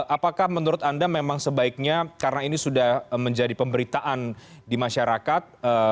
apakah menurut anda memang sebaiknya karena ini sudah menjadi pemberitaan di masyarakat